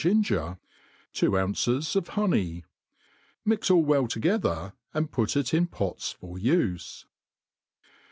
ginger, two ounces of honey ; mix all well together, and put it in pots for ufe.